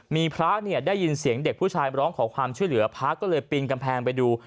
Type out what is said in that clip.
มีพระเนี่ยได้ยินเสียงเด็กผู้ชายมาร้องขอความช่วยเหลือพระก็เลยปีนกำแพงไปดู